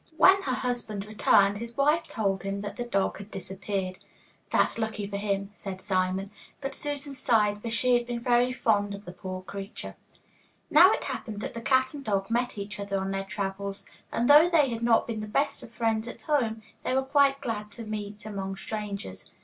When her husband returned, his wife told him that the dog had disappeared. 'That's lucky for him,' said Simon, but Susan sighed, for she had been very fond of the poor creature. Now it happened that the cat and dog met each other on their travels, and though they had not been the best of friends at home, they were quite glad to meet among strangers.